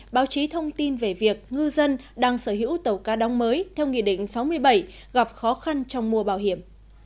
báo chí thông tin về việc ngư dân đang sở hữu tàu cá đóng mới theo nghị định sáu mươi bảy gặp khó khăn trong mùa bảo hiểm